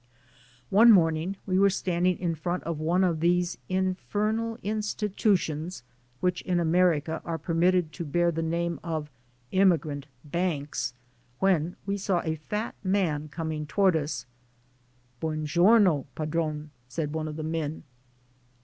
One morn ing we were standing in front of one of those in fernal institutions which in America are permitted to bear the name of "immigrant banks," when we saw a fat man coming toward us. "Buon giorno, padrone," said one of the men.